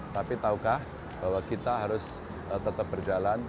tapi tahukah bahwa kita harus tetap berjalan